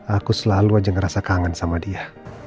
aku selalu aja ngerasa kangen sama dia